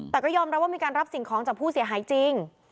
แต่ก็ยอมรับว่ามีการรับสิ่งของจากผู้เสียหายจริง